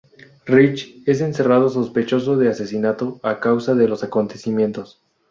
Rich es encerrado sospechoso de asesinato a causa de los acontecimientos.